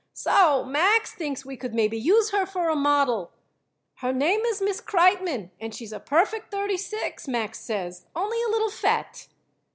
So, Max thinks we could maybe use her for a model. Her name is Miss Kreitmann and she's a perfect thirty six, Max says, only a little fat."